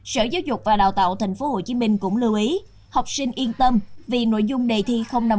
sở giáo dục và đào tạo tp hcm cũng lưu ý học sinh yên tâm vì nội dung đề thi không nằm